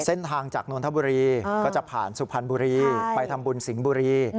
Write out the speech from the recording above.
เส้นทางจากนนทบุรีก็จะผ่านสุพรรณบุรีไปทำบุญสิงห์บุรี